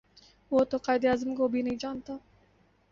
وہ تو قاہد اعظم کو بھی نہیں جانتا